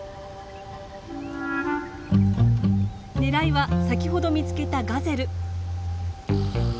狙いは先ほど見つけたガゼル。